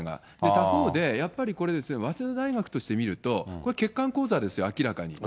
他方で、やっぱりこれ、早稲田大学として見ると、これ、欠陥講座ですよ、明らかに。